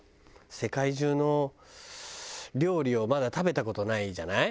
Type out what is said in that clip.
世界中の料理をまだ食べた事ないじゃない？